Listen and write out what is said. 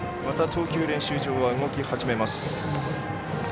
また投球練習場は動き始めます。